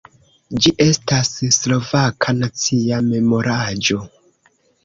Ĝi estas slovaka nacia memoraĵo.